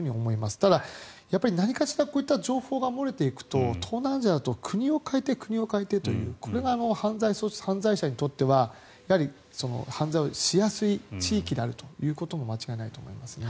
ただ、何かしらこういった情報が漏れていくと東南アジアだと国を変えて、国を変えてというこれが犯罪者にとっては犯罪をしやすい地域であるということも間違いないと思います。